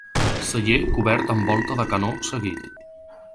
Celler cobert amb volta de canó seguit.